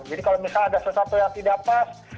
jadi kalau misalnya ada sesuatu yang tidak pas